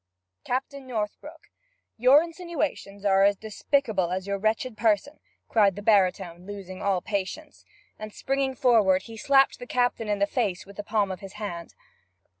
'Captain Northbrook, your insinuations are as despicable as your wretched person!' cried the baritone, losing all patience. And springing forward he slapped the captain in the face with the palm of his hand.